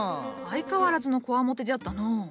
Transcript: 相変わらずのこわもてじゃったのう。